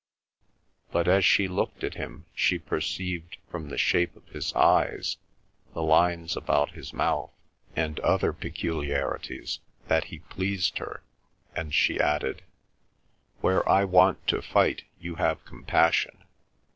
But as she looked at him she perceived from the shape of his eyes, the lines about his mouth, and other peculiarities that he pleased her, and she added: "Where I want to fight, you have compassion.